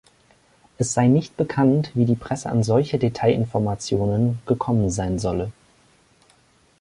Es sei nicht bekannt, wie die Presse an solche Detailinformationen gekommen sein solle.